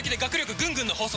ぐんぐんの法則！